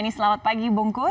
selamat pagi bungkus